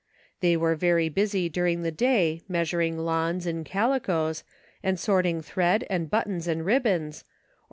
They were very busy during the day measuring lawns and calicoes, and sorting thread and buttons and ribbons, or 198 DIFFERING WORLDS.